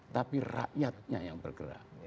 tapi rakyatnya yang bergerak